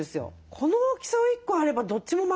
この大きさを１個あればどっちも賄えますもんね。